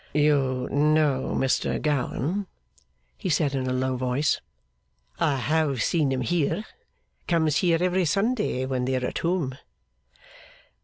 'You know Mr Gowan?' he said in a low voice. 'I have seen him here. Comes here every Sunday when they are at home.